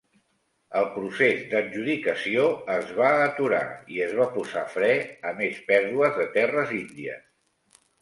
El procés d'adjudicació es va aturar i es va posar fre a més pèrdues de terres índies.